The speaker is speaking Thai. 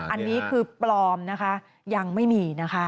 อันนี้คือปลอมนะคะยังไม่มีนะคะ